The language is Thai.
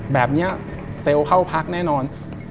แบบนี้เซลล์เข้าพักแน่นอน